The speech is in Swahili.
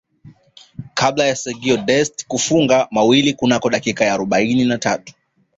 kabla ya Sergino Dest kufunga mawili kunako dakika ya arobaini na tatu